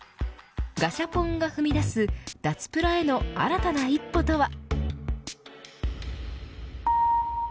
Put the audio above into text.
ガシャポンが踏み出す脱プラへの新たな一歩とは。